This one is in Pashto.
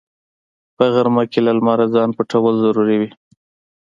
په غرمه کې له لمره ځان پټول ضروري وي